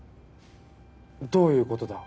どういうことだ？